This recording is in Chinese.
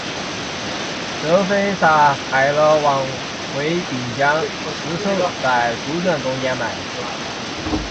周玘杀害了王恢并将尸首在猪圈中埋掉。